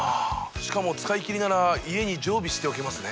しかも使いきりなら家に常備しておけますね。